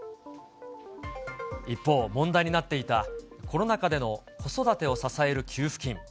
一方、問題になっていたコロナ禍での子育てを支える給付金。